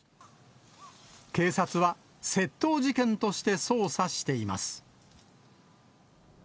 警察は、窃盗事件として捜査しています。